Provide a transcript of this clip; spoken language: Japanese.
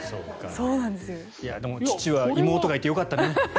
でも父は妹がいてよかったね。